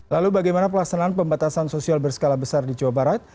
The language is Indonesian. lalu bagaimana pelaksanaan pembatasan sosial berskala besar di jawa barat